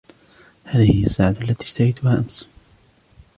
هذه هي الساعة التي اشتريتها امس.